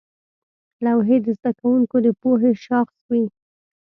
لوحې د زده کوونکو د پوهې شاخص وې.